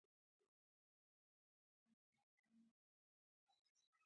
ازادي راډیو د عدالت پر وړاندې د حل لارې وړاندې کړي.